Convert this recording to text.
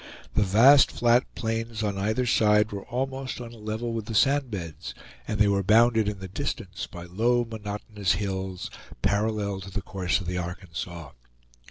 The vast flat plains on either side were almost on a level with the sand beds, and they were bounded in the distance by low, monotonous hills, parallel to the course of the Arkansas.